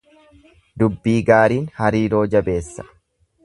Dubbii gaariin hariiroo jabeessa.